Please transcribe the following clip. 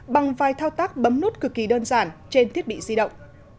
bằng vài thao tác bấm nút cực kỳ đơn giản trên thiết bị di động